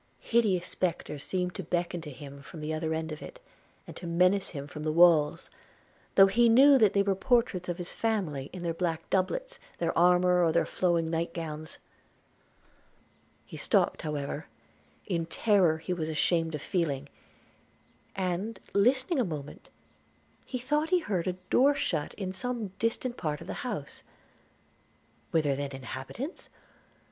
– Hideous specters seemed to beckon to him from the other end of it, and to menace him from the walls, though he knew that they were the portraits of his family in their black doublets, their armour, or their flowing night gowns: – he stopped, however, in terror he was ashamed of feeling, and, listening a moment, thought he heard a door shut in some distant part of the house – Were there then inhabitants?